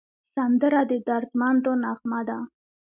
سندره د دردمندو نغمه ده